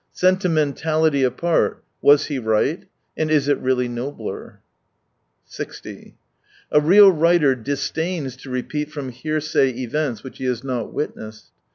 Sentimentality apart — was he right, and is it really nobler ? 60 A real writer disdains to repeat from hearsay events which he has not witnessed.